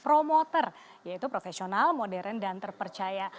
promotor yaitu profesional modern dan terpercaya